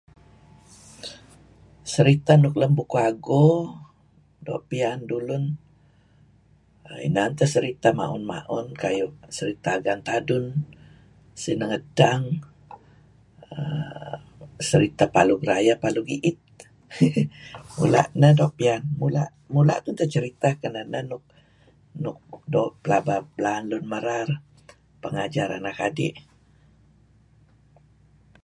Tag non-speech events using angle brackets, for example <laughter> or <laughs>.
Seriteh nuk lem bukuh ago doo' piyan dulun. inan teh seriteh ma'un-ma'un kayu' seriteh Agan Tadun Sineh Ngedtang, err seriteh Palug Rayeh Palug I'it <laughs> mula' neh doo' piyan, mula' tun teh ceriteh keneh neh nuk doo' pelaba belaan lun merar peh ngajar anak adi'.